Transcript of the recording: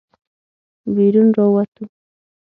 بېرون راووتو.